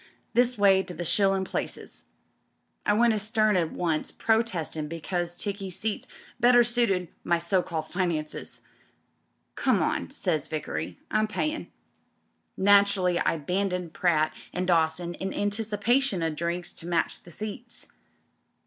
This way to the shillin' places!' I went astern at once, protestin' because tickey seats better suited my so called finances. 'Come on,' says Vickery, Tm payin'.' Naturally I abandoned Pratt and Dawson in anticipation o' drinks to match the seats.